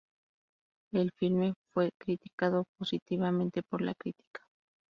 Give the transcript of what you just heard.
El filme fue criticado positivamente por la crítica.